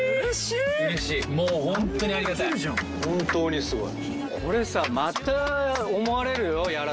本当にすごい！